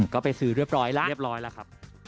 ก็ไปซื้อเรียบร้อยแล้ว